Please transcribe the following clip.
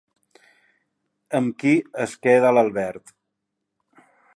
Amb qui es queda l'Albert?